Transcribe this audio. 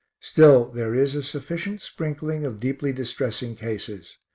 Still there is a sufficient sprinkling of deeply distressing cases.